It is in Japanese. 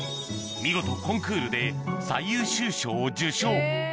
見事コンクールで最優秀賞を受賞